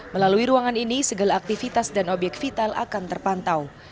melalui ruangan ini segala aktivitas dan obyek vital akan terpantau